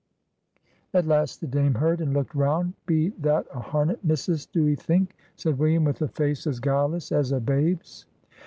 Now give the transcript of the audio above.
At last the Dame heard, and looked round. "Be that a harnet, missus, do 'ee think?" said William, with a face as guileless as a babe's.